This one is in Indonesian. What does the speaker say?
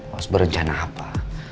harus berencana apa